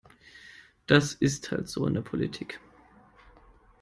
Das ist halt so in der Politik.